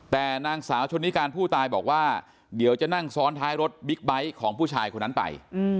แต่นางสาวชนนิการผู้ตายบอกว่าเดี๋ยวจะนั่งซ้อนท้ายรถบิ๊กไบท์ของผู้ชายคนนั้นไป